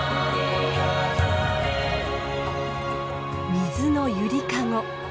水のゆりかご